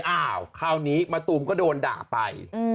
อ้าวคราวนี้มะตูมก็โดนด่าไป